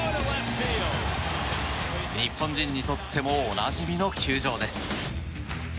日本人にとってもおなじみの球場です。